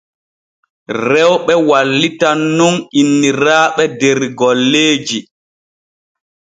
Rewɓe wallitan nun inniraaɓe der golleeji.